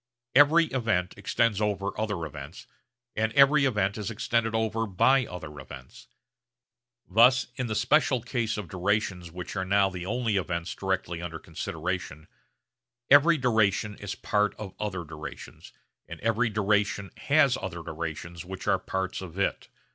Every event extends over other events, and every event is extended over by other events. Thus in the special case of durations which are now the only events directly under consideration, every duration is part of other durations; and every duration has other durations which are parts of it.